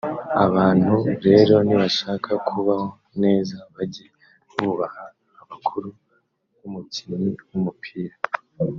Abantu rero nibashaka kubaho neza bajye bubaha abakuru nk’umukinnyi w’umupira